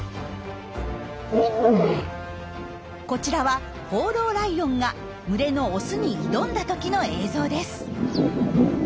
こちらは放浪ライオンが群れのオスに挑んだ時の映像です。